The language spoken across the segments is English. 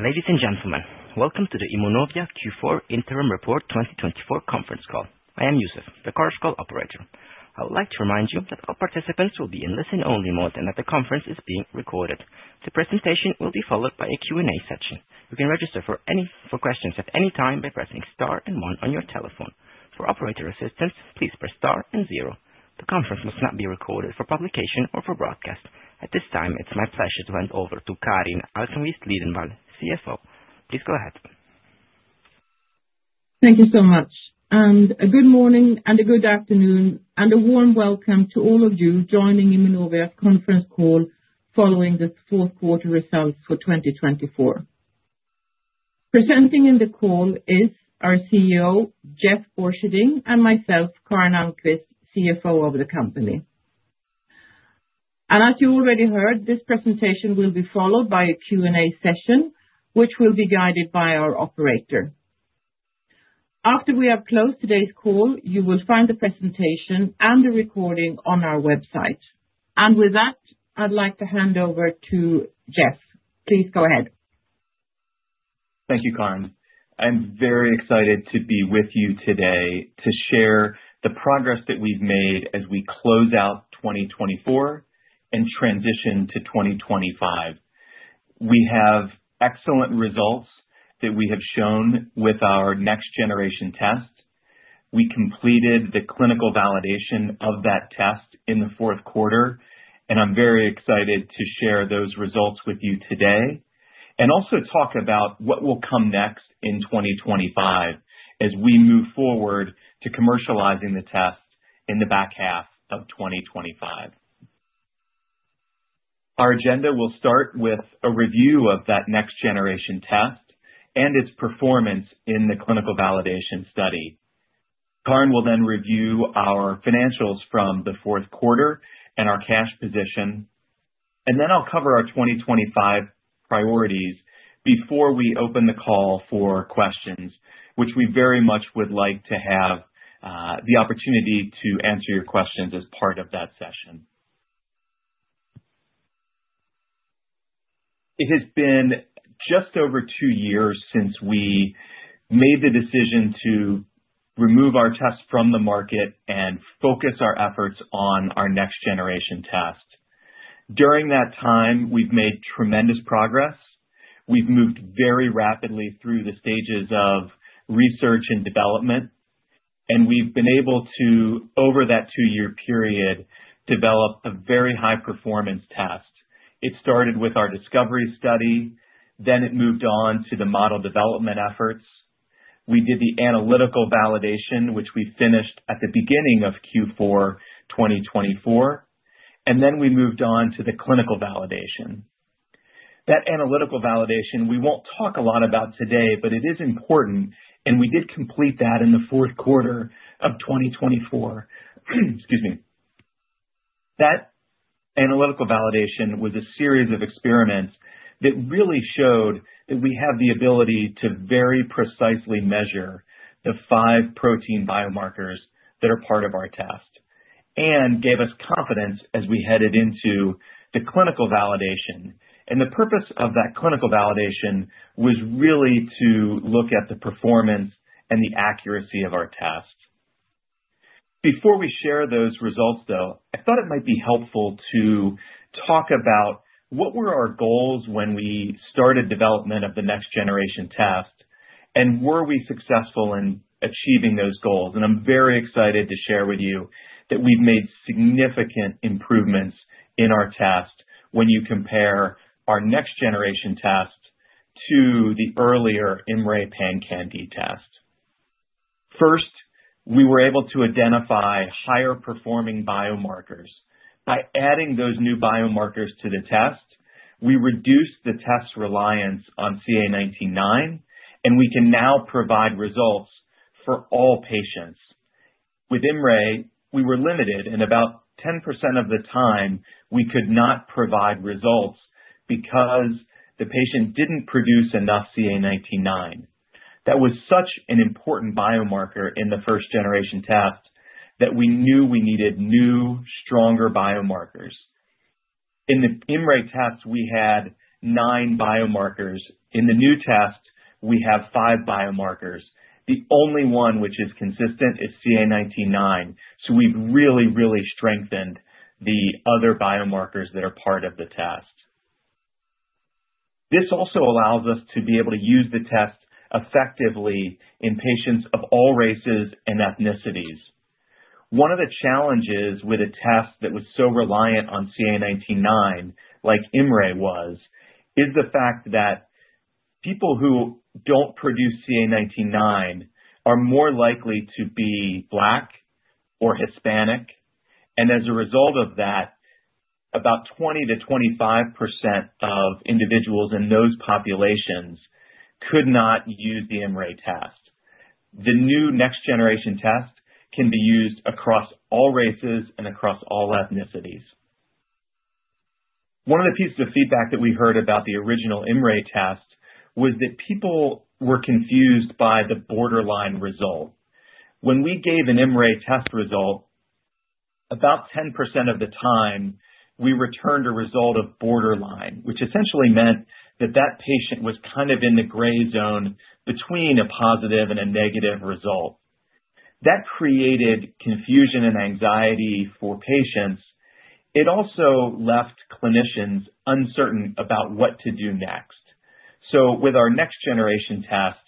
Ladies and gentlemen, welcome to the Immunovia Q4 Interim Report 2024 conference call. I am Yusuf, the Chorus call operator. I would like to remind you that all participants will be in listen-only mode and that the conference is being recorded. The presentation will be followed by a Q&A session. You can register for questions at any time by pressing star and one on your telephone. For operator assistance, please press star and zero. The conference must not be recorded for publication or for broadcast. At this time, it's my pleasure to hand over to Karin Almqvist-Liwendahl, CFO. Please go ahead. Thank you so much. A good morning, and a good afternoon, and a warm welcome to all of you joining Immunovia's conference call following the fourth quarter results for 2024. Presenting in the call is our CEO, Jeff Borcherding, and myself, Karin Almqvist-Liwendahl, CFO of the company. As you already heard, this presentation will be followed by a Q&A session, which will be guided by our operator. After we have closed today's call, you will find the presentation and the recording on our website. With that, I'd like to hand over to Jeff. Please go ahead. Thank you, Karin. I'm very excited to be with you today to share the progress that we've made as we close out 2024 and transition to 2025. We have excellent results that we have shown with our next-generation test. We completed the clinical validation of that test in the fourth quarter, and I'm very excited to share those results with you today and also talk about what will come next in 2025 as we move forward to commercializing the test in the back half of 2025. Our agenda will start with a review of that next-generation test and its performance in the clinical validation study. Karin will then review our financials from the fourth quarter and our cash position. I'll cover our 2025 priorities before we open the call for questions, which we very much would like to have the opportunity to answer your questions as part of that session. It has been just over two years since we made the decision to remove our test from the market and focus our efforts on our next-generation test. During that time, we've made tremendous progress. We've moved very rapidly through the stages of research and development, and we've been able to, over that two-year period, develop a very high-performance test. It started with our discovery study, then it moved on to the model development efforts. We did the analytical validation, which we finished at the beginning of Q4 2024, and then we moved on to the clinical validation. That analytical validation, we won't talk a lot about today, but it is important, and we did complete that in the fourth quarter of 2024. Excuse me. That analytical validation was a series of experiments that really showed that we have the ability to very precisely measure the five protein biomarkers that are part of our test and gave us confidence as we headed into the clinical validation. The purpose of that clinical validation was really to look at the performance and the accuracy of our test. Before we share those results, though, I thought it might be helpful to talk about what were our goals when we started development of the next-generation test and were we successful in achieving those goals. I'm very excited to share with you that we've made significant improvements in our test when you compare our next-generation test to the earlier IMMray PanCan-d test. First, we were able to identify higher-performing biomarkers. By adding those new biomarkers to the test, we reduced the test's reliance on CA19-9, and we can now provide results for all patients. With IMMray, we were limited, and about 10% of the time, we could not provide results because the patient didn't produce enough CA19-9. That was such an important biomarker in the first-generation test that we knew we needed new, stronger biomarkers. In the IMMray test, we had nine biomarkers. In the new test, we have five biomarkers. The only one which is consistent is CA19-9, so we've really, really strengthened the other biomarkers that are part of the test. This also allows us to be able to use the test effectively in patients of all races and ethnicities. One of the challenges with a test that was so reliant on CA19-9, like IMMray, was the fact that people who do not produce CA19-9 are more likely to be Black or Hispanic. As a result of that, about 20-25% of individuals in those populations could not use the IMMray test. The new next-generation test can be used across all races and across all ethnicities. One of the pieces of feedback that we heard about the original IMMray test was that people were confused by the borderline result. When we gave an IMMray test result, about 10% of the time, we returned a result of borderline, which essentially meant that that patient was kind of in the gray zone between a positive and a negative result. That created confusion and anxiety for patients. It also left clinicians uncertain about what to do next. With our next-generation test,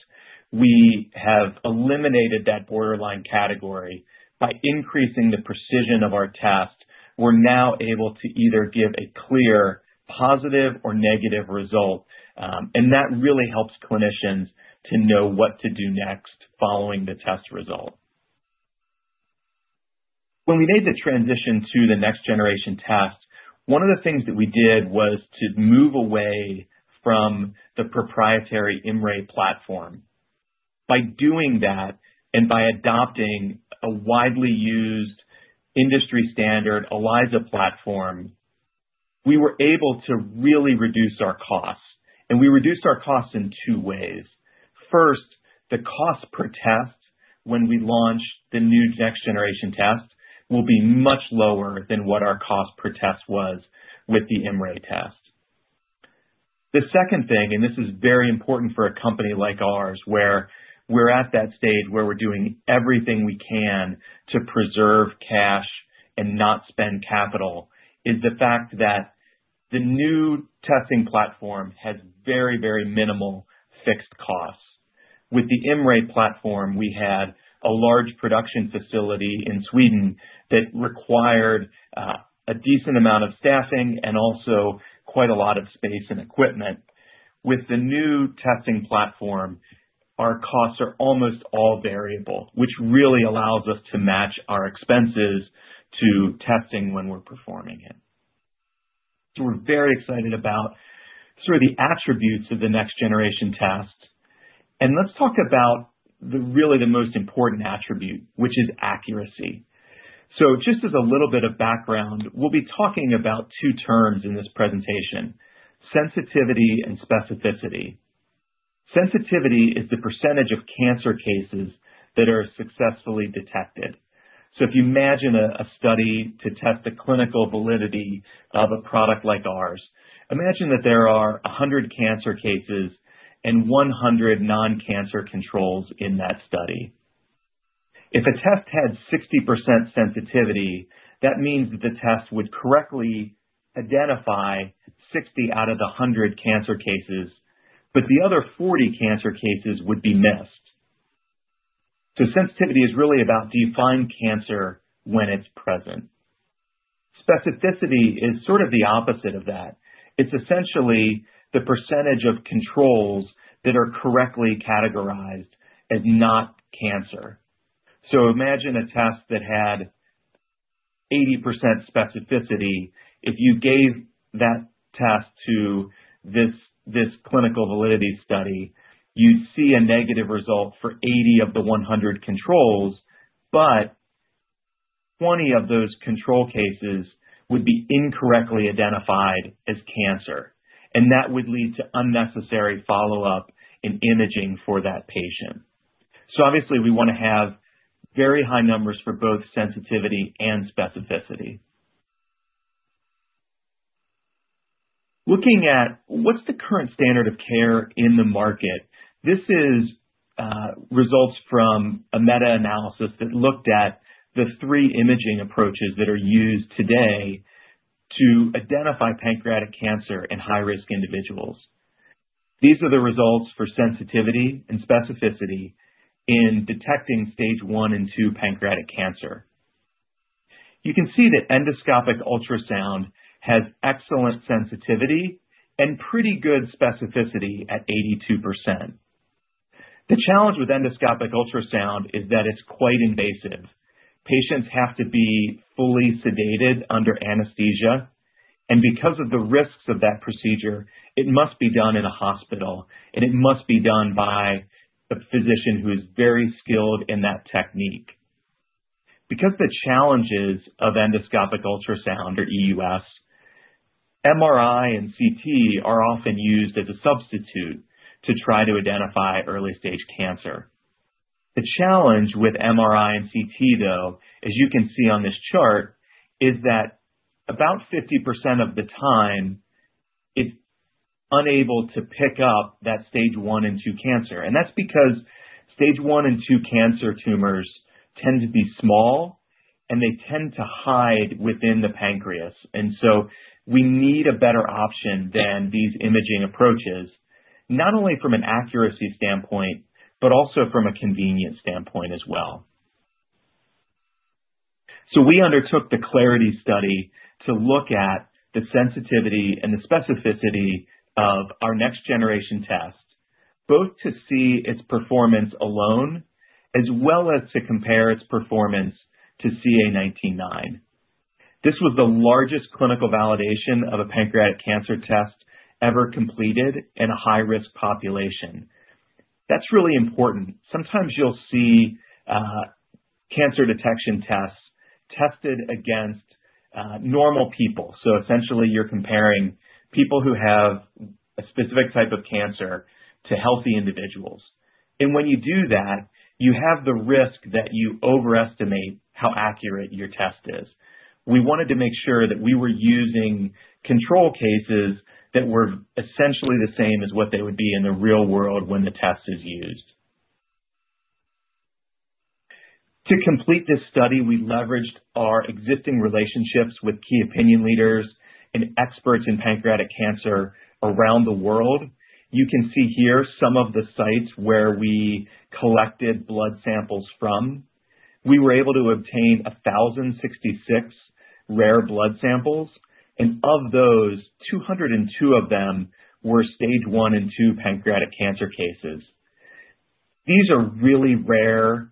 we have eliminated that borderline category by increasing the precision of our test. We are now able to either give a clear positive or negative result, and that really helps clinicians to know what to do next following the test result. When we made the transition to the next-generation test, one of the things that we did was to move away from the proprietary IMMray platform. By doing that and by adopting a widely used industry standard, ELISA platform, we were able to really reduce our costs. We reduced our costs in two ways. First, the cost per test when we launched the new next-generation test will be much lower than what our cost per test was with the IMMray test. The second thing, and this is very important for a company like ours where we're at that stage where we're doing everything we can to preserve cash and not spend capital, is the fact that the new testing platform has very, very minimal fixed costs. With the IMMray platform, we had a large production facility in Sweden that required a decent amount of staffing and also quite a lot of space and equipment. With the new testing platform, our costs are almost all variable, which really allows us to match our expenses to testing when we're performing it. We are very excited about sort of the attributes of the next-generation test. Let's talk about really the most important attribute, which is accuracy. Just as a little bit of background, we'll be talking about two terms in this presentation: sensitivity and specificity. Sensitivity is the percentage of cancer cases that are successfully detected. If you imagine a study to test the clinical validity of a product like ours, imagine that there are 100 cancer cases and 100 non-cancer controls in that study. If a test had 60% sensitivity, that means that the test would correctly identify 60 out of the 100 cancer cases, but the other 40 cancer cases would be missed. Sensitivity is really about defining cancer when it's present. Specificity is sort of the opposite of that. It's essentially the percentage of controls that are correctly categorized as not cancer. Imagine a test that had 80% specificity. If you gave that test to this clinical validity study, you'd see a negative result for 80 of the 100 controls, but 20 of those control cases would be incorrectly identified as cancer. That would lead to unnecessary follow-up and imaging for that patient. Obviously, we want to have very high numbers for both sensitivity and specificity. Looking at what's the current standard of care in the market, this is results from a meta-analysis that looked at the three imaging approaches that are used today to identify pancreatic cancer in high-risk individuals. These are the results for sensitivity and specificity in detecting stage one and two pancreatic cancer. You can see that endoscopic ultrasound has excellent sensitivity and pretty good specificity at 82%. The challenge with endoscopic ultrasound is that it's quite invasive. Patients have to be fully sedated under anesthesia. Because of the risks of that procedure, it must be done in a hospital, and it must be done by a physician who is very skilled in that technique. Because the challenges of endoscopic ultrasound, or EUS, MRI and CT are often used as a substitute to try to identify early-stage cancer. The challenge with MRI and CT, though, as you can see on this chart, is that about 50% of the time, it's unable to pick up that stage one and two cancer. That's because stage one and two cancer tumors tend to be small, and they tend to hide within the pancreas. We need a better option than these imaging approaches, not only from an accuracy standpoint, but also from a convenience standpoint as well. We undertook the CLARITY study to look at the sensitivity and the specificity of our next-generation test, both to see its performance alone as well as to compare its performance to CA19-9. This was the largest clinical validation of a pancreatic cancer test ever completed in a high-risk population. That's really important. Sometimes you'll see cancer detection tests tested against normal people. Essentially, you're comparing people who have a specific type of cancer to healthy individuals. When you do that, you have the risk that you overestimate how accurate your test is. We wanted to make sure that we were using control cases that were essentially the same as what they would be in the real world when the test is used. To complete this study, we leveraged our existing relationships with key opinion leaders and experts in pancreatic cancer around the world. You can see here some of the sites where we collected blood samples from. We were able to obtain 1,066 rare blood samples. Of those, 202 of them were stage one and two pancreatic cancer cases. These are really rare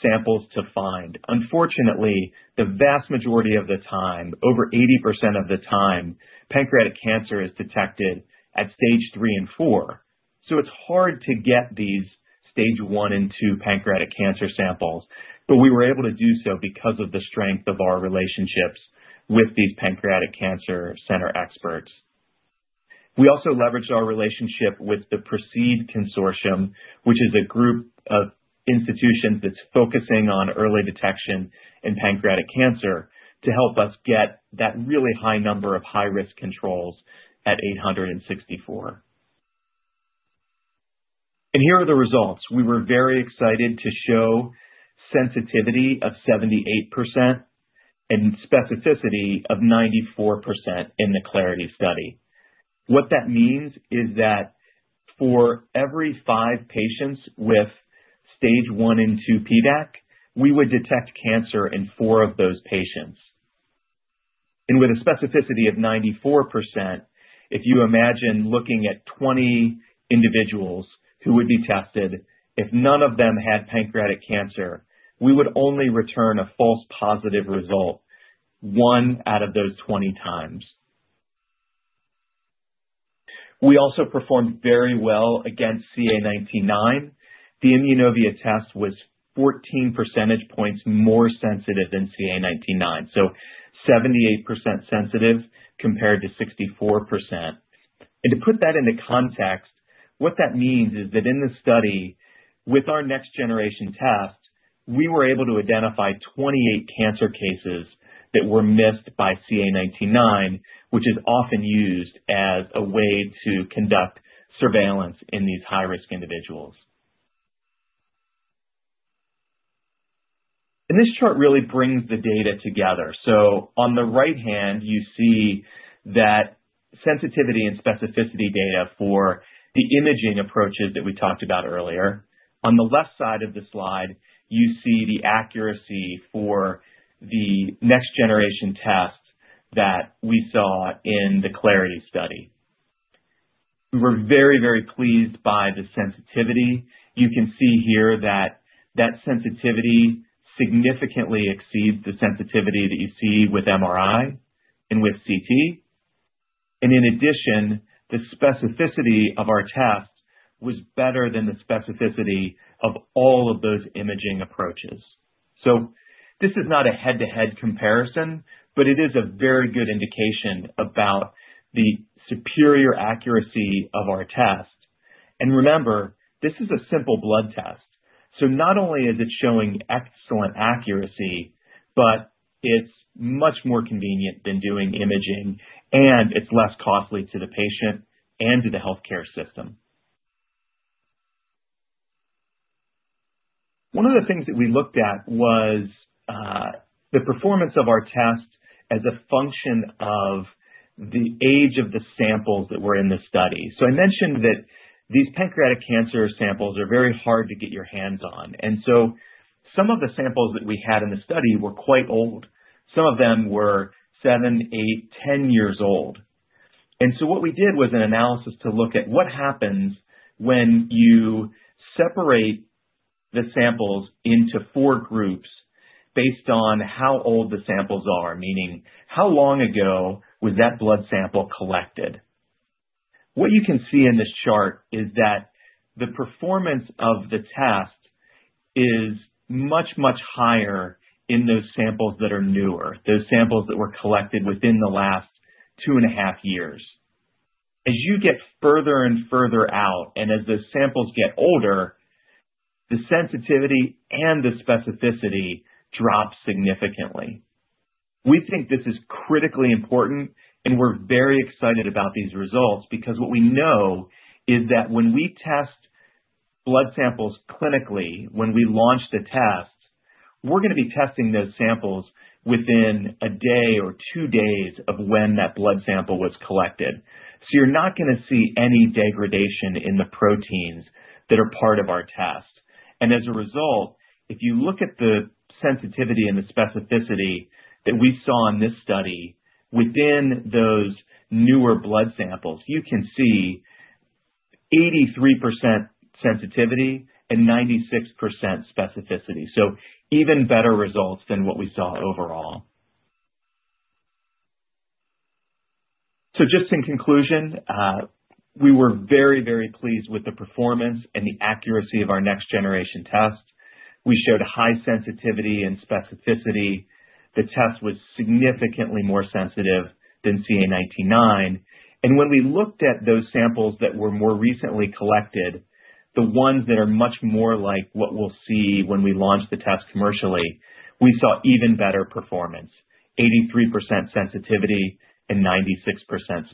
samples to find. Unfortunately, the vast majority of the time, over 80% of the time, pancreatic cancer is detected at stage three and four. It is hard to get these stage one and two pancreatic cancer samples, but we were able to do so because of the strength of our relationships with these pancreatic cancer center experts. We also leveraged our relationship with the PRECEDE Consortium, which is a group of institutions that is focusing on early detection in pancreatic cancer to help us get that really high number of high-risk controls at 864. Here are the results. We were very excited to show sensitivity of 78% and specificity of 94% in the CLARITY study. What that means is that for every five patients with stage one and two PDAC, we would detect cancer in four of those patients. With a specificity of 94%, if you imagine looking at 20 individuals who would be tested, if none of them had pancreatic cancer, we would only return a false positive result one out of those 20 times. We also performed very well against CA19-9. The Immunovia test was 14 percentage points more sensitive than CA19-9, so 78% sensitive compared to 64%. To put that into context, what that means is that in this study, with our next-generation test, we were able to identify 28 cancer cases that were missed by CA19-9, which is often used as a way to conduct surveillance in these high-risk individuals. This chart really brings the data together. On the right hand, you see that sensitivity and specificity data for the imaging approaches that we talked about earlier. On the left side of the slide, you see the accuracy for the next-generation test that we saw in the CLARITY study. We were very, very pleased by the sensitivity. You can see here that that sensitivity significantly exceeds the sensitivity that you see with MRI and with CT. In addition, the specificity of our test was better than the specificity of all of those imaging approaches. This is not a head-to-head comparison, but it is a very good indication about the superior accuracy of our test. Remember, this is a simple blood test. Not only is it showing excellent accuracy, but it's much more convenient than doing imaging, and it's less costly to the patient and to the healthcare system. One of the things that we looked at was the performance of our test as a function of the age of the samples that were in the study. I mentioned that these pancreatic cancer samples are very hard to get your hands on. Some of the samples that we had in the study were quite old. Some of them were 7, 8, 10 years old. What we did was an analysis to look at what happens when you separate the samples into four groups based on how old the samples are, meaning how long ago was that blood sample collected. What you can see in this chart is that the performance of the test is much, much higher in those samples that are newer, those samples that were collected within the last two and a half years. As you get further and further out and as the samples get older, the sensitivity and the specificity drop significantly. We think this is critically important, and we're very excited about these results because what we know is that when we test blood samples clinically, when we launch the test, we're going to be testing those samples within a day or two days of when that blood sample was collected. You are not going to see any degradation in the proteins that are part of our test. As a result, if you look at the sensitivity and the specificity that we saw in this study within those newer blood samples, you can see 83% sensitivity and 96% specificity. Even better results than what we saw overall. Just in conclusion, we were very, very pleased with the performance and the accuracy of our next-generation test. We showed high sensitivity and specificity. The test was significantly more sensitive than CA19-9. When we looked at those samples that were more recently collected, the ones that are much more like what we'll see when we launch the test commercially, we saw even better performance: 83% sensitivity and 96%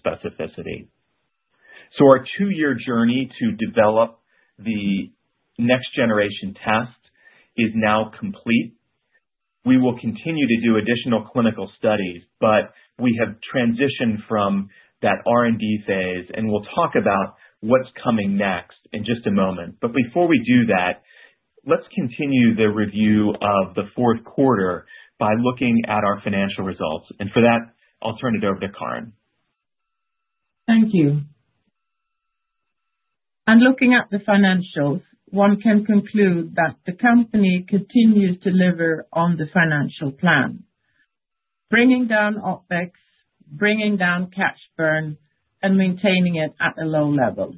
specificity. Our two-year journey to develop the next-generation test is now complete. We will continue to do additional clinical studies, but we have transitioned from that R&D phase. We'll talk about what's coming next in just a moment. Before we do that, let's continue the review of the fourth quarter by looking at our financial results. For that, I'll turn it over to Karin. Thank you. Looking at the financials, one can conclude that the company continues to deliver on the financial plan, bringing down OpEx, bringing down cash burn, and maintaining it at a low level.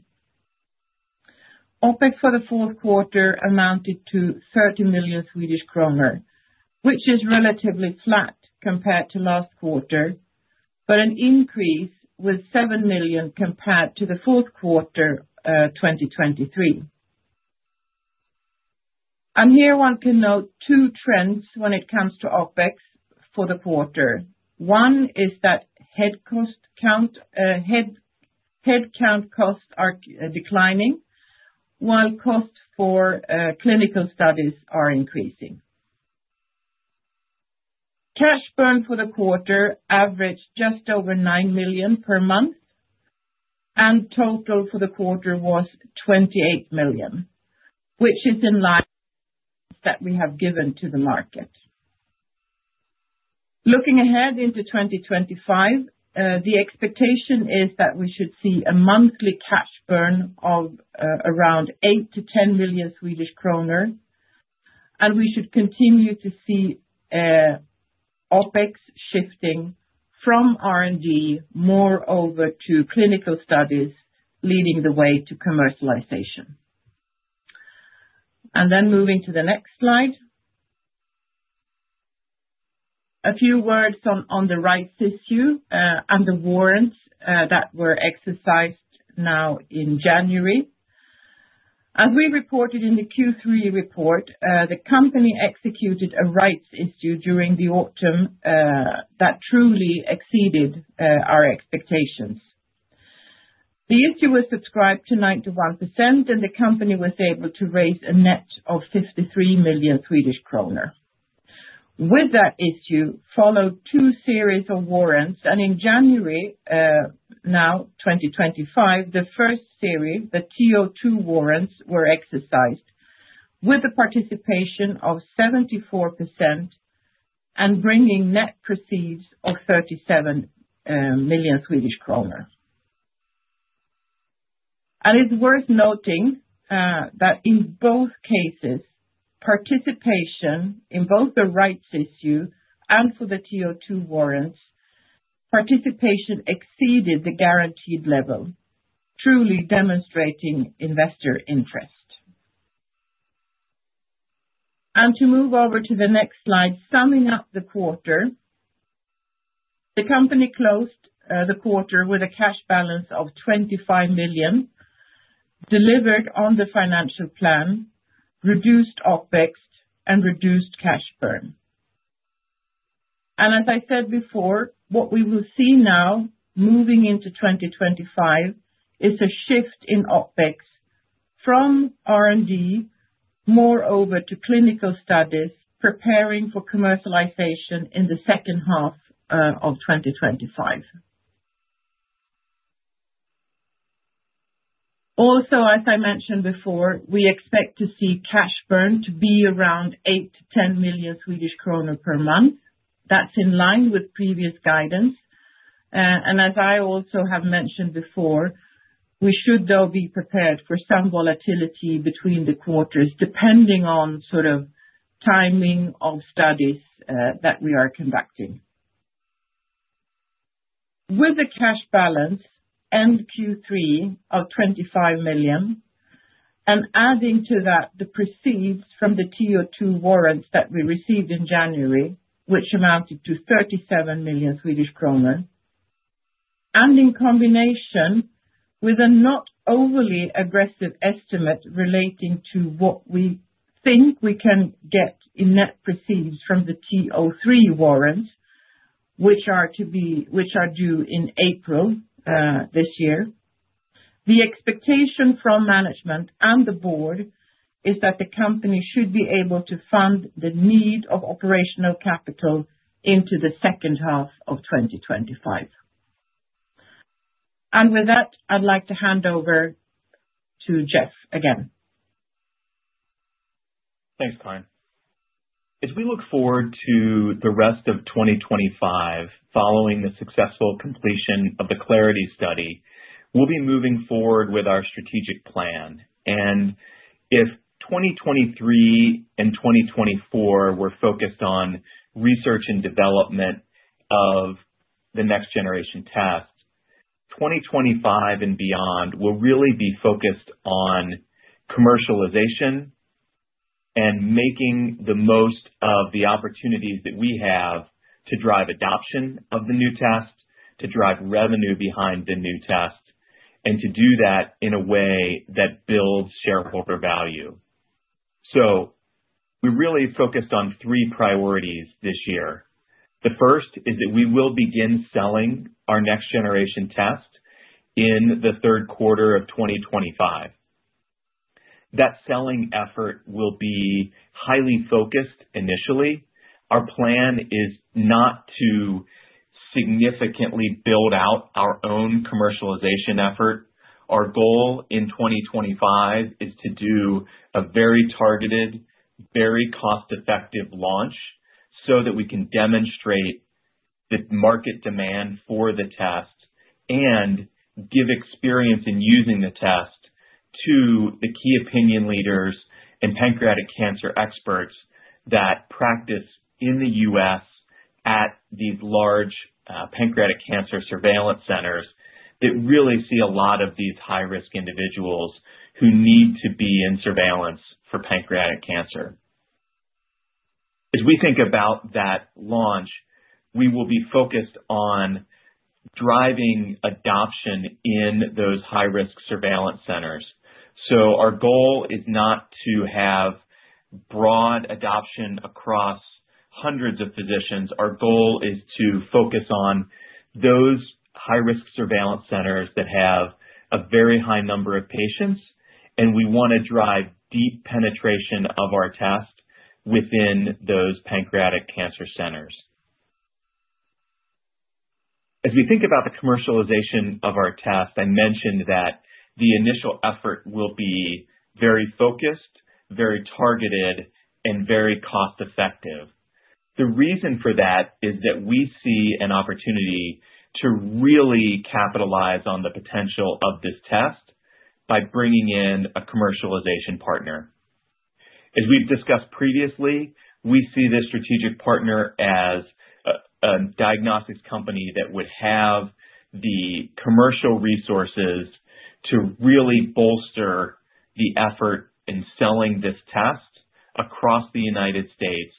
OpEx for the fourth quarter amounted to 30 million Swedish kronor, which is relatively flat compared to last quarter, but an increase with 7 million compared to the fourth quarter 2023. Here one can note two trends when it comes to OpEx for the quarter. One is that headcount costs are declining while costs for clinical studies are increasing. Cash burn for the quarter averaged just over 9 million per month, and total for the quarter was 28 million, which is in line with what we have given to the market. Looking ahead into 2025, the expectation is that we should see a monthly cash burn of around 8-10 million Swedish kronor, and we should continue to see OpEx shifting from R&D more over to clinical studies leading the way to commercialization. Moving to the next slide. A few words on the rights issue and the warrants that were exercised now in January. As we reported in the Q3 report, the company executed a rights issue during the autumn that truly exceeded our expectations. The issue was subscribed to 91%, and the company was able to raise a net of 53 million Swedish kronor. With that issue followed two series of warrants. In January 2025, the first series, the TO2 warrants, were exercised with the participation of 74% and bringing net proceeds of 37 million Swedish kronor. It is worth noting that in both cases, participation in both the rights issue and for the TO2 warrants, participation exceeded the guaranteed level, truly demonstrating investor interest. To move over to the next slide, summing up the quarter, the company closed the quarter with a cash balance of 25 million, delivered on the financial plan, reduced OpEx, and reduced cash burn. As I said before, what we will see now moving into 2025 is a shift in OpEx from R&D more over to clinical studies preparing for commercialization in the second half of 2025. Also, as I mentioned before, we expect to see cash burn to be around 8-10 million Swedish kronor per month. That is in line with previous guidance. As I also have mentioned before, we should, though, be prepared for some volatility between the quarters depending on sort of timing of studies that we are conducting. With the cash balance end Q3 of 25 million, and adding to that the proceeds from the TO2 warrants that we received in January, which amounted to 37 million, and in combination with a not overly aggressive estimate relating to what we think we can get in net proceeds from the TO3 warrants, which are due in April this year, the expectation from management and the board is that the company should be able to fund the need of operational capital into the second half of 2025. With that, I'd like to hand over to Jeff again. Thanks, Karin. As we look forward to the rest of 2025 following the successful completion of the CLARITY study, we'll be moving forward with our strategic plan. If 2023 and 2024 were focused on research and development of the next-generation tests, 2025 and beyond will really be focused on commercialization and making the most of the opportunities that we have to drive adoption of the new tests, to drive revenue behind the new tests, and to do that in a way that builds shareholder value. We really focused on three priorities this year. The first is that we will begin selling our next-generation tests in the third quarter of 2025. That selling effort will be highly focused initially. Our plan is not to significantly build out our own commercialization effort. Our goal in 2025 is to do a very targeted, very cost-effective launch so that we can demonstrate the market demand for the tests and give experience in using the tests to the key opinion leaders and pancreatic cancer experts that practice in the U.S. at these large pancreatic cancer surveillance centers that really see a lot of these high-risk individuals who need to be in surveillance for pancreatic cancer. As we think about that launch, we will be focused on driving adoption in those high-risk surveillance centers. Our goal is not to have broad adoption across hundreds of physicians. Our goal is to focus on those high-risk surveillance centers that have a very high number of patients, and we want to drive deep penetration of our tests within those pancreatic cancer centers. As we think about the commercialization of our tests, I mentioned that the initial effort will be very focused, very targeted, and very cost-effective. The reason for that is that we see an opportunity to really capitalize on the potential of this test by bringing in a commercialization partner. As we've discussed previously, we see this strategic partner as a diagnostics company that would have the commercial resources to really bolster the effort in selling this test across the United States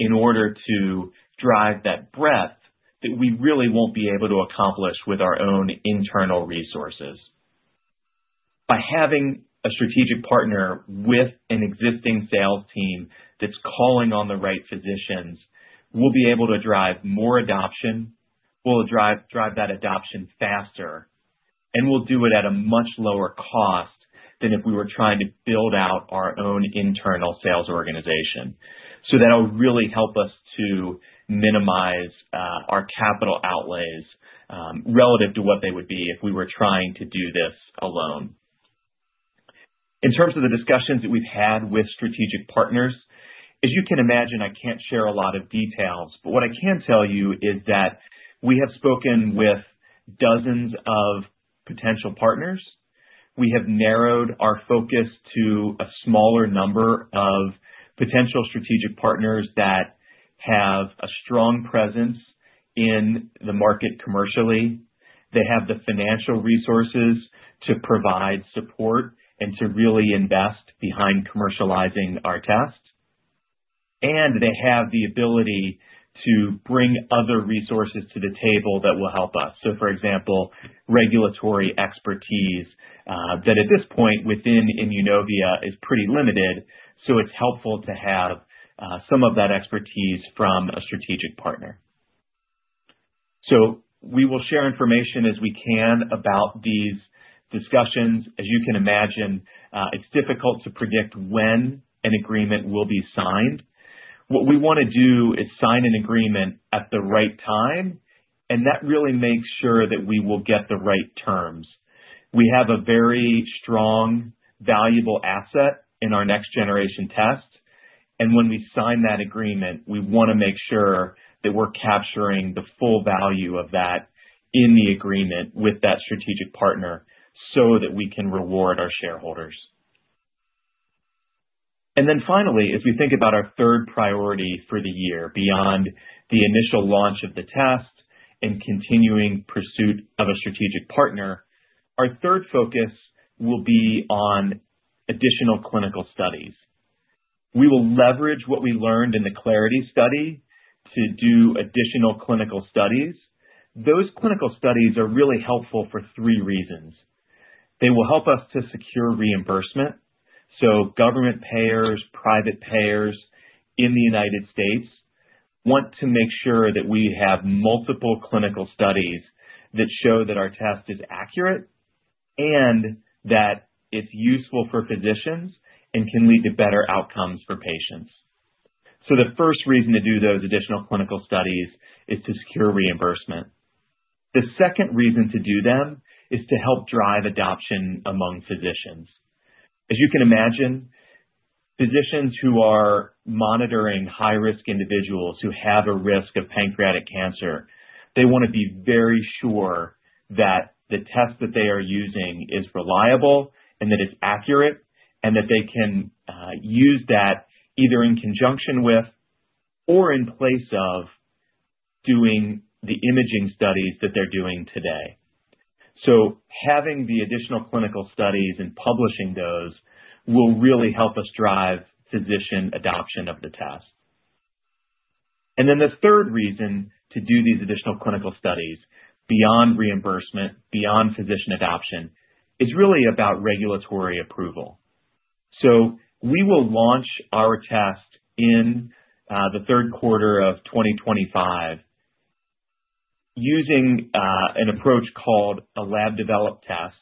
in order to drive that breadth that we really won't be able to accomplish with our own internal resources. By having a strategic partner with an existing sales team that's calling on the right physicians, we'll be able to drive more adoption, we'll drive that adoption faster, and we'll do it at a much lower cost than if we were trying to build out our own internal sales organization. That will really help us to minimize our capital outlays relative to what they would be if we were trying to do this alone. In terms of the discussions that we've had with strategic partners, as you can imagine, I can't share a lot of details, but what I can tell you is that we have spoken with dozens of potential partners. We have narrowed our focus to a smaller number of potential strategic partners that have a strong presence in the market commercially. They have the financial resources to provide support and to really invest behind commercializing our tests. They have the ability to bring other resources to the table that will help us. For example, regulatory expertise that at this point within Immunovia is pretty limited, so it's helpful to have some of that expertise from a strategic partner. We will share information as we can about these discussions. As you can imagine, it's difficult to predict when an agreement will be signed. What we want to do is sign an agreement at the right time, and that really makes sure that we will get the right terms. We have a very strong, valuable asset in our next-generation tests. When we sign that agreement, we want to make sure that we're capturing the full value of that in the agreement with that strategic partner so that we can reward our shareholders. Finally, as we think about our third priority for the year beyond the initial launch of the tests and continuing pursuit of a strategic partner, our third focus will be on additional clinical studies. We will leverage what we learned in the CLARITY study to do additional clinical studies. Those clinical studies are really helpful for three reasons. They will help us to secure reimbursement. Government payers, private payers in the United States want to make sure that we have multiple clinical studies that show that our test is accurate and that it's useful for physicians and can lead to better outcomes for patients. The first reason to do those additional clinical studies is to secure reimbursement. The second reason to do them is to help drive adoption among physicians. As you can imagine, physicians who are monitoring high-risk individuals who have a risk of pancreatic cancer, they want to be very sure that the test that they are using is reliable and that it's accurate and that they can use that either in conjunction with or in place of doing the imaging studies that they're doing today. Having the additional clinical studies and publishing those will really help us drive physician adoption of the tests. The third reason to do these additional clinical studies beyond reimbursement, beyond physician adoption, is really about regulatory approval. We will launch our tests in the third quarter of 2025 using an approach called a lab-developed test,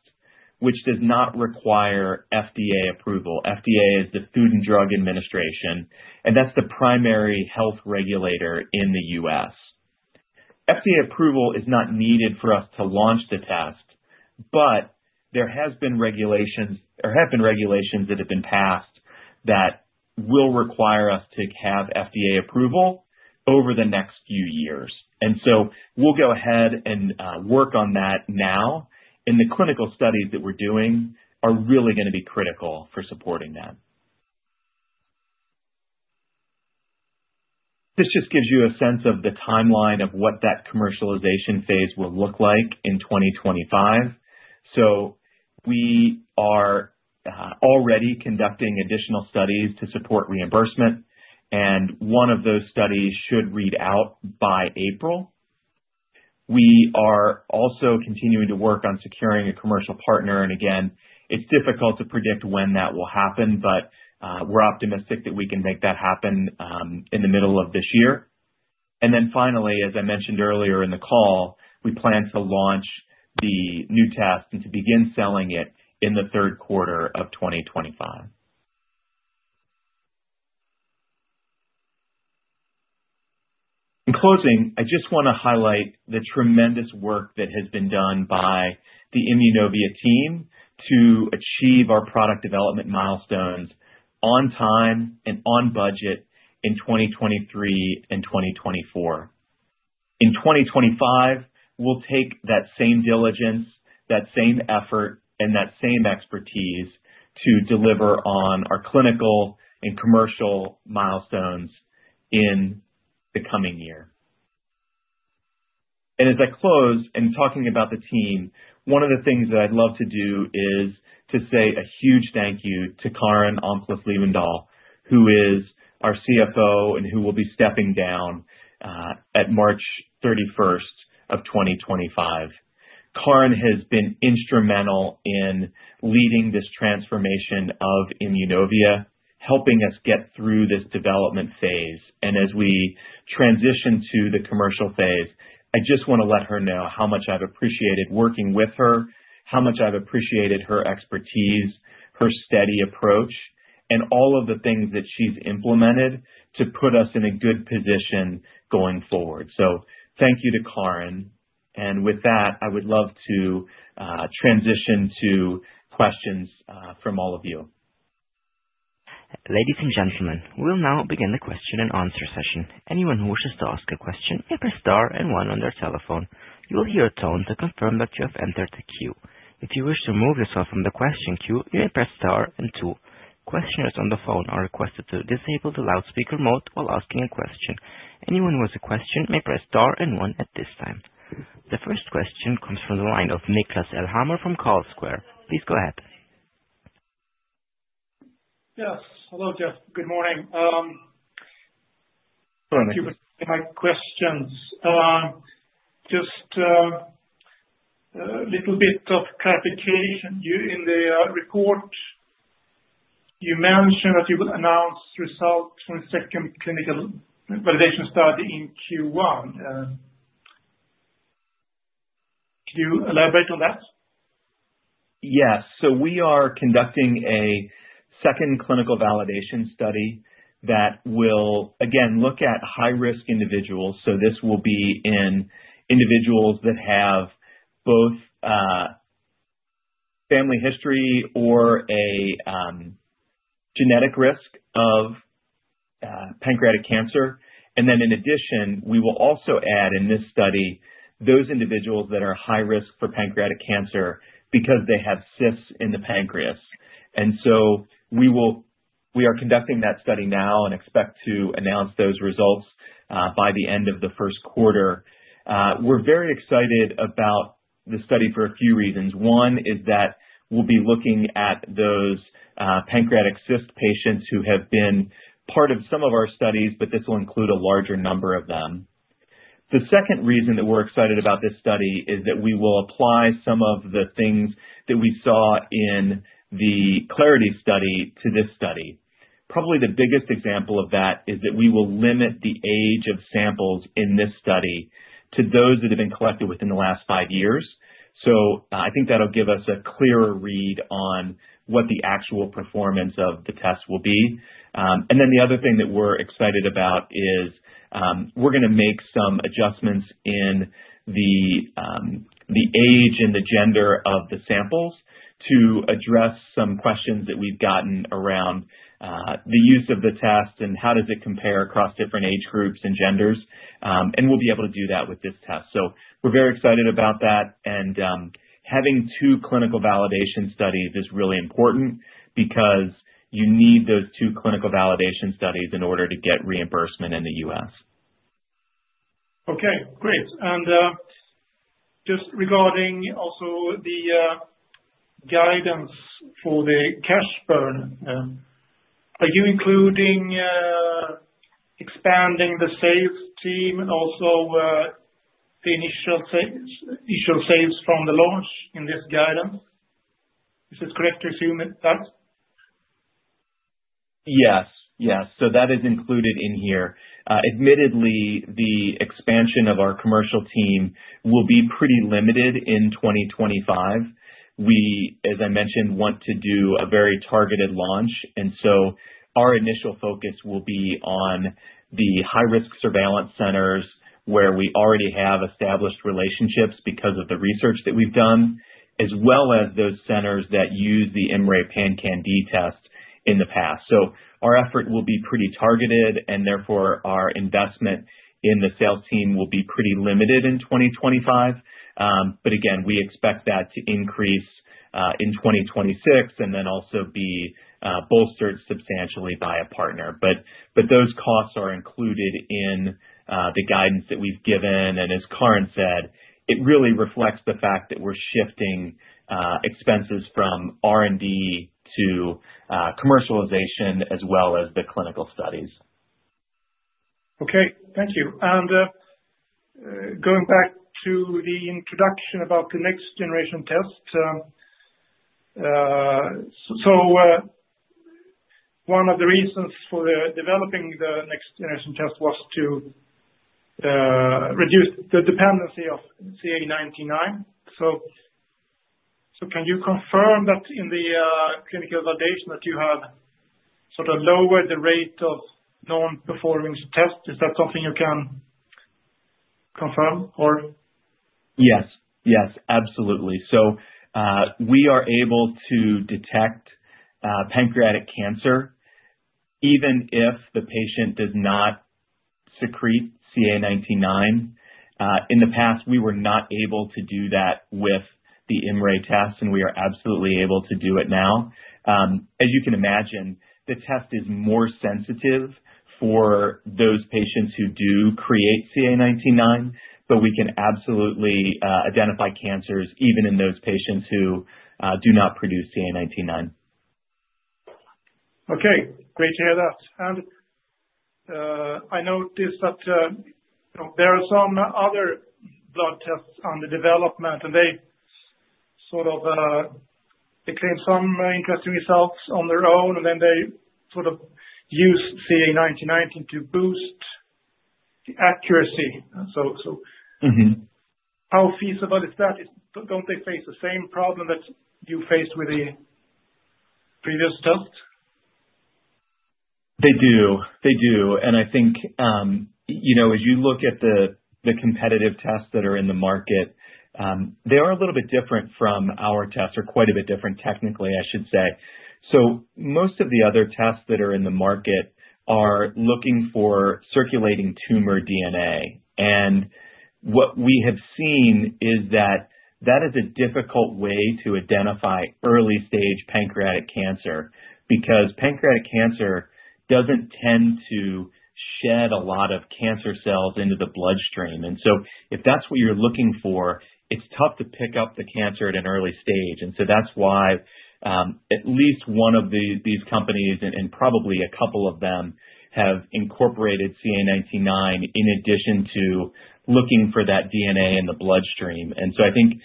which does not require FDA approval. FDA is the Food and Drug Administration, and that's the primary health regulator in the US. FDA approval is not needed for us to launch the test, but there have been regulations that have been passed that will require us to have FDA approval over the next few years. We will go ahead and work on that now. The clinical studies that we're doing are really going to be critical for supporting that. This just gives you a sense of the timeline of what that commercialization phase will look like in 2025. We are already conducting additional studies to support reimbursement, and one of those studies should read out by April. We are also continuing to work on securing a commercial partner. Again, it's difficult to predict when that will happen, but we're optimistic that we can make that happen in the middle of this year. Finally, as I mentioned earlier in the call, we plan to launch the new test and to begin selling it in the third quarter of 2025. In closing, I just want to highlight the tremendous work that has been done by the Immunovia team to achieve our product development milestones on time and on budget in 2023 and 2024. In 2025, we'll take that same diligence, that same effort, and that same expertise to deliver on our clinical and commercial milestones in the coming year. As I close and talking about the team, one of the things that I'd love to do is to say a huge thank you to Karin Almqvist-Liwendahl, who is our CFO and who will be stepping down at March 31 of 2025. Karin has been instrumental in leading this transformation of Immunovia, helping us get through this development phase. As we transition to the commercial phase, I just want to let her know how much I've appreciated working with her, how much I've appreciated her expertise, her steady approach, and all of the things that she's implemented to put us in a good position going forward. Thank you to Karin. With that, I would love to transition to questions from all of you. Ladies and gentlemen, we will now begin the question and answer session. Anyone who wishes to ask a question may press star and one on their telephone. You will hear a tone to confirm that you have entered the queue. If you wish to remove yourself from the question queue, you may press star and two. Questioners on the phone are requested to disable the loudspeaker mode while asking a question. Anyone who has a question may press star and one at this time. The first question comes from the line of Niklas Elmhammer from Carlsquare. Please go ahead. Yes. Hello, Jeff. Good morning. Thank you for taking my questions. Just a little bit of clarification. In the report, you mentioned that you will announce results from the second clinical validation study in Q1. Could you elaborate on that? Yes. We are conducting a second clinical validation study that will, again, look at high-risk individuals. This will be in individuals that have both family history or a genetic risk of pancreatic cancer. In addition, we will also add in this study those individuals that are high risk for pancreatic cancer because they have cysts in the pancreas. We are conducting that study now and expect to announce those results by the end of the first quarter. We are very excited about the study for a few reasons. One is that we will be looking at those pancreatic cyst patients who have been part of some of our studies, but this will include a larger number of them. The second reason that we are excited about this study is that we will apply some of the things that we saw in the CLARITY study to this study. Probably the biggest example of that is that we will limit the age of samples in this study to those that have been collected within the last five years. I think that'll give us a clearer read on what the actual performance of the tests will be. The other thing that we're excited about is we're going to make some adjustments in the age and the gender of the samples to address some questions that we've gotten around the use of the tests and how does it compare across different age groups and genders. We'll be able to do that with this test. We're very excited about that. Having two clinical validation studies is really important because you need those two clinical validation studies in order to get reimbursement in the US. Okay. Great. Just regarding also the guidance for the cash burn, are you including expanding the sales team and also the initial sales from the launch in this guidance? Is it correct to assume that? Yes. Yes. That is included in here. Admittedly, the expansion of our commercial team will be pretty limited in 2025. We, as I mentioned, want to do a very targeted launch. Our initial focus will be on the high-risk surveillance centers where we already have established relationships because of the research that we've done, as well as those centers that used the IMMray PanCan-d test in the past. Our effort will be pretty targeted, and therefore our investment in the sales team will be pretty limited in 2025. Again, we expect that to increase in 2026 and also be bolstered substantially by a partner. Those costs are included in the guidance that we've given. As Karin said, it really reflects the fact that we're shifting expenses from R&D to commercialization as well as the clinical studies. Okay. Thank you. Going back to the introduction about the next-generation test, one of the reasons for developing the next-generation test was to reduce the dependency of CA19-9. Can you confirm that in the clinical validation you have sort of lowered the rate of non-performing tests? Is that something you can confirm or? Yes. Yes. Absolutely. We are able to detect pancreatic cancer even if the patient does not secrete CA19-9. In the past, we were not able to do that with the IMMray test, and we are absolutely able to do it now. As you can imagine, the test is more sensitive for those patients who do create CA19-9, but we can absolutely identify cancers even in those patients who do not produce CA19-9. Great to hear that. I noticed that there are some other blood tests in development, and they sort of claim some interesting results on their own, and then they sort of use CA19-9 to boost the accuracy. How feasible is that? Do not they face the same problem that you faced with the previous test? They do. They do. I think as you look at the competitive tests that are in the market, they are a little bit different from our tests or quite a bit different technically, I should say. Most of the other tests that are in the market are looking for circulating tumor DNA. What we have seen is that that is a difficult way to identify early-stage pancreatic cancer because pancreatic cancer does not tend to shed a lot of cancer cells into the bloodstream. If that is what you are looking for, it is tough to pick up the cancer at an early stage. That is why at least one of these companies and probably a couple of them have incorporated CA19-9 in addition to looking for that DNA in the bloodstream. I think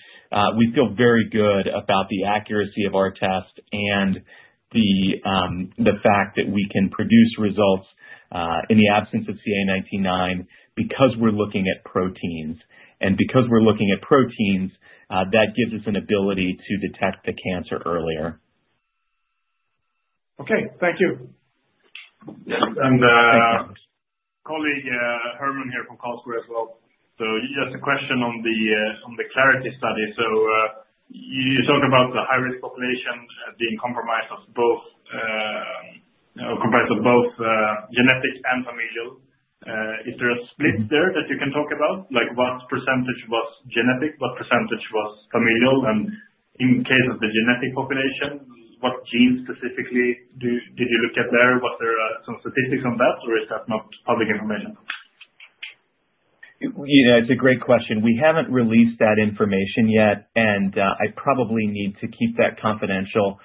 we feel very good about the accuracy of our test and the fact that we can produce results in the absence of CA19-9 because we're looking at proteins. And because we're looking at proteins, that gives us an ability to detect the cancer earlier. Okay. Thank you. Thank you. Colleague Herman here from Cold Square as well. Just a question on the CLARITY study. You talk about the high-risk population being comprised of both genetic and familial. Is there a split there that you can talk about? What percentage was genetic? What percentage was familial? In case of the genetic population, what genes specifically did you look at there? Was there some statistics on that, or is that not public information? It's a great question. We haven't released that information yet, and I probably need to keep that confidential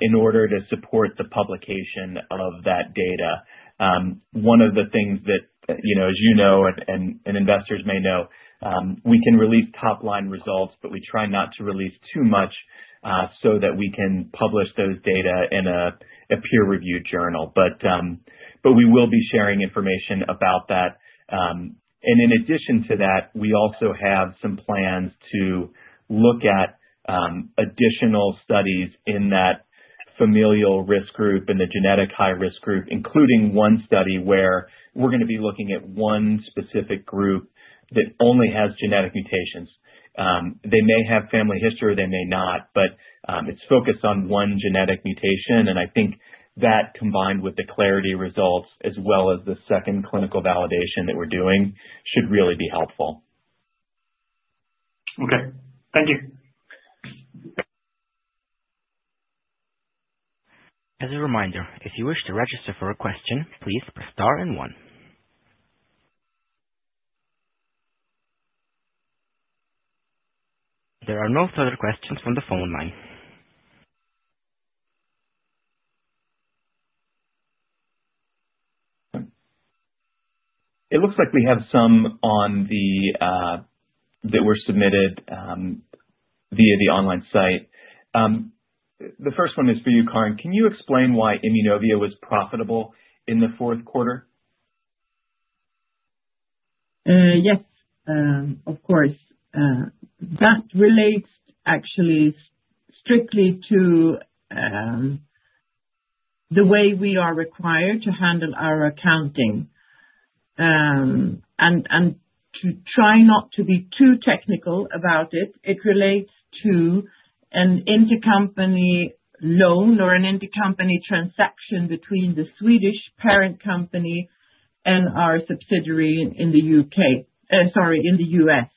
in order to support the publication of that data. One of the things that, as you know and investors may know, we can release top-line results, but we try not to release too much so that we can publish those data in a peer-reviewed journal. We will be sharing information about that. In addition to that, we also have some plans to look at additional studies in that familial risk group and the genetic high-risk group, including one study where we're going to be looking at one specific group that only has genetic mutations. They may have family history or they may not, but it's focused on one genetic mutation. I think that combined with the CLARITY results as well as the second clinical validation that we're doing should really be helpful. Okay. Thank you. As a reminder, if you wish to register for a question, please press star and one. There are no further questions from the phone line. It looks like we have some that were submitted via the online site. The first one is for you, Karin. Can you explain why Immunovia was profitable in the fourth quarter? Yes, of course. That relates actually strictly to the way we are required to handle our accounting. To try not to be too technical about it, it relates to an intercompany loan or an intercompany transaction between the Swedish parent company and our subsidiary in the U.S., sorry, in the U.S.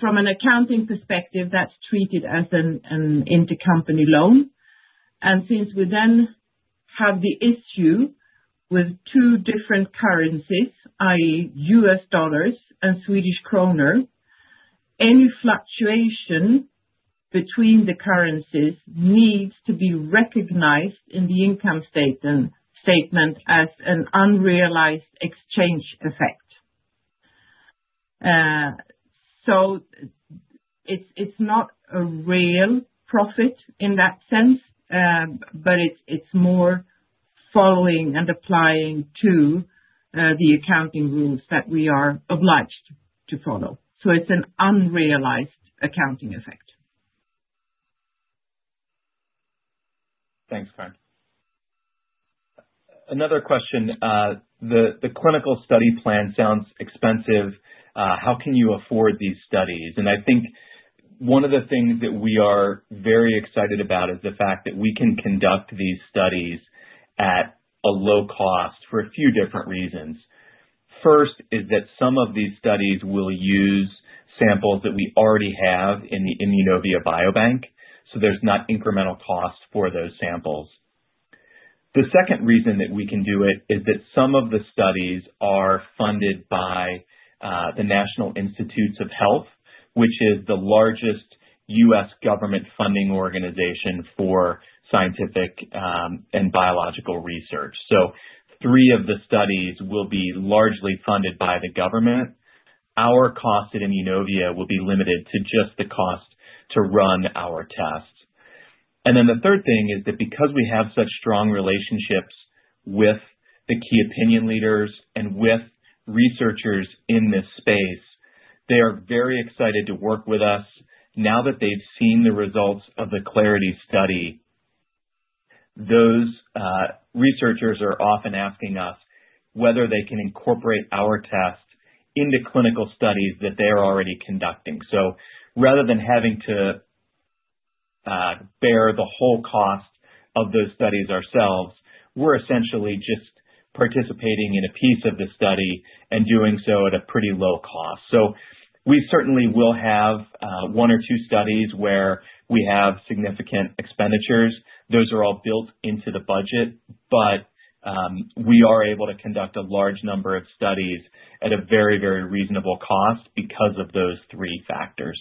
From an accounting perspective, that's treated as an intercompany loan. Since we then have the issue with two different currencies, i.e., U.S. dollars and Swedish kronor, any fluctuation between the currencies needs to be recognized in the income statement as an unrealized exchange effect. It's not a real profit in that sense, but it's more following and applying to the accounting rules that we are obliged to follow. It's an unrealized accounting effect. Thanks, Karin. Another question. The clinical study plan sounds expensive. How can you afford these studies? I think one of the things that we are very excited about is the fact that we can conduct these studies at a low cost for a few different reasons. First is that some of these studies will use samples that we already have in the Immunovia biobank, so there is not incremental cost for those samples. The second reason that we can do it is that some of the studies are funded by the National Institutes of Health, which is the largest U.S. government funding organization for scientific and biological research. Three of the studies will be largely funded by the government. Our cost at Immunovia will be limited to just the cost to run our tests. The third thing is that because we have such strong relationships with the key opinion leaders and with researchers in this space, they are very excited to work with us. Now that they've seen the results of the CLARITY study, those researchers are often asking us whether they can incorporate our tests into clinical studies that they are already conducting. Rather than having to bear the whole cost of those studies ourselves, we're essentially just participating in a piece of the study and doing so at a pretty low cost. We certainly will have one or two studies where we have significant expenditures. Those are all built into the budget, but we are able to conduct a large number of studies at a very, very reasonable cost because of those three factors.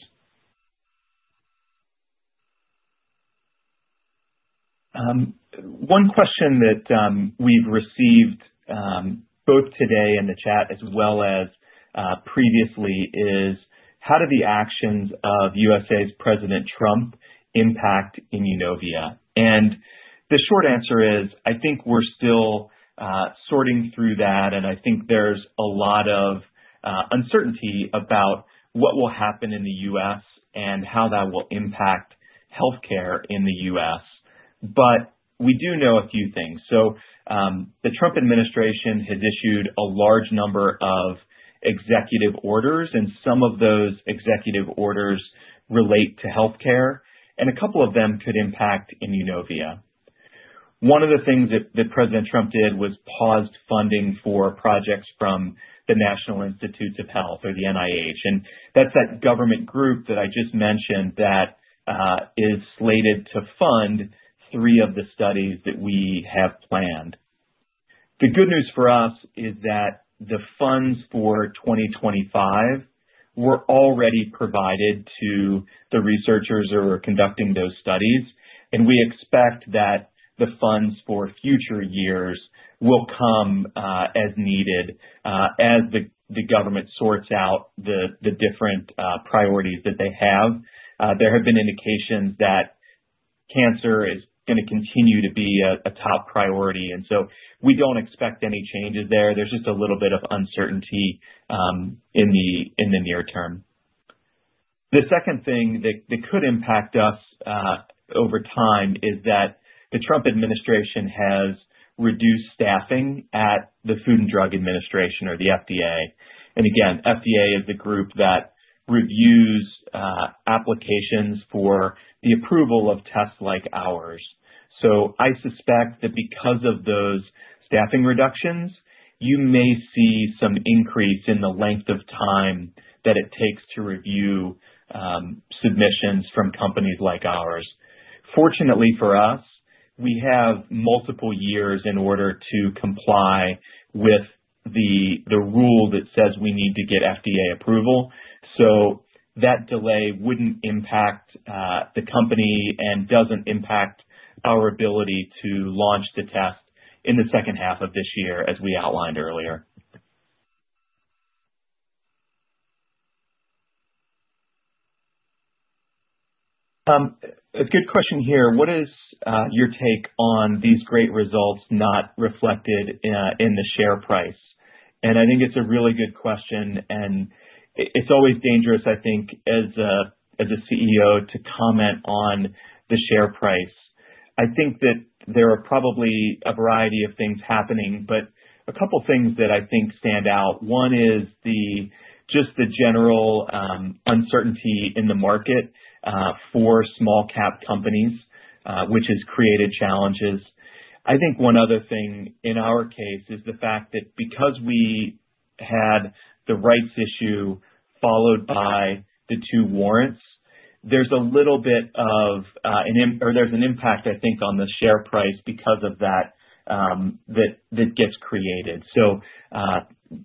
One question that we've received both today in the chat as well as previously is, how do the actions of U.S. President Trump impact Immunovia? The short answer is, I think we're still sorting through that, and I think there's a lot of uncertainty about what will happen in the U.S. and how that will impact healthcare in the U.S. We do know a few things. The Trump administration has issued a large number of executive orders, and some of those executive orders relate to healthcare, and a couple of them could impact Immunovia. One of the things that President Trump did was paused funding for projects from the National Institutes of Health or the NIH. That's that government group that I just mentioned that is slated to fund three of the studies that we have planned. The good news for us is that the funds for 2025 were already provided to the researchers who are conducting those studies, and we expect that the funds for future years will come as needed as the government sorts out the different priorities that they have. There have been indications that cancer is going to continue to be a top priority, and we don't expect any changes there. There's just a little bit of uncertainty in the near term. The second thing that could impact us over time is that the Trump administration has reduced staffing at the Food and Drug Administration or the FDA. FDA is the group that reviews applications for the approval of tests like ours. I suspect that because of those staffing reductions, you may see some increase in the length of time that it takes to review submissions from companies like ours. Fortunately for us, we have multiple years in order to comply with the rule that says we need to get FDA approval. That delay would not impact the company and does not impact our ability to launch the test in the second half of this year, as we outlined earlier. A good question here. What is your take on these great results not reflected in the share price? I think it is a really good question, and it is always dangerous, I think, as a CEO to comment on the share price. I think that there are probably a variety of things happening, but a couple of things that I think stand out. One is just the general uncertainty in the market for small-cap companies, which has created challenges. I think one other thing in our case is the fact that because we had the rights issue followed by the two warrants, there is a little bit of an or there is an impact, I think, on the share price because of that that gets created.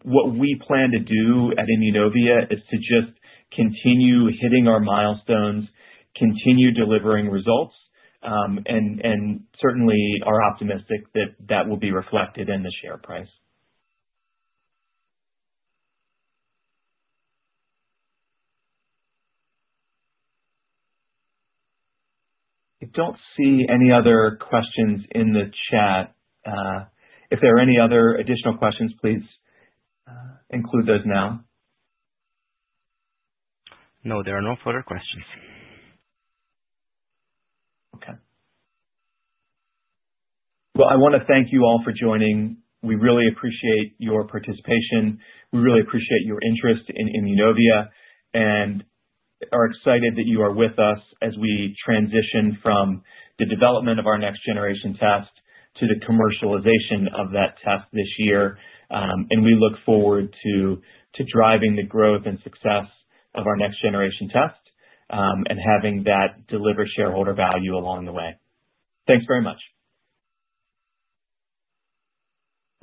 What we plan to do at Immunovia is to just continue hitting our milestones, continue delivering results, and certainly are optimistic that that will be reflected in the share price. I do not see any other questions in the chat. If there are any other additional questions, please include those now. No, there are no further questions. Okay. I want to thank you all for joining. We really appreciate your participation. We really appreciate your interest in Immunovia and are excited that you are with us as we transition from the development of our next-generation test to the commercialization of that test this year. We look forward to driving the growth and success of our next-generation test and having that deliver shareholder value along the way. Thanks very much.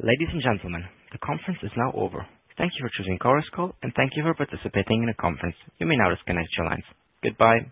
Ladies and gentlemen, the conference is now over. Thank you for choosing Cold Square, and thank you for participating in the conference. You may now disconnect your lines. Goodbye.